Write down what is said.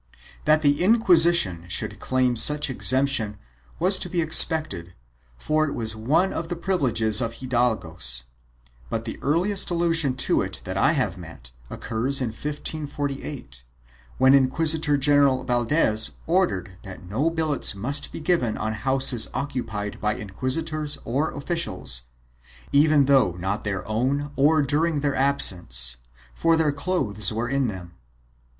3 That the Inquisition should claim such exemption was to be ex pected, for it was one of the privileges of hidalgos, but the earliest allusion to it that I have met occurs in 1548, when Inquisitor general Valdes ordered that no billets must be given on houses occupied by inquisitors or officials, even though not their own or during their absence, for their clothes were in them.